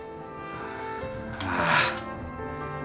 ああ。